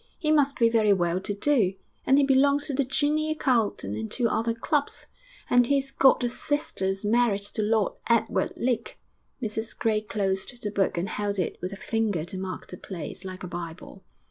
He must be very well to do; and he belongs to the Junior Carlton and two other clubs.... And he's got a sister who's married to Lord Edward Lake.' Mrs Gray closed the book and held it with a finger to mark the place, like a Bible.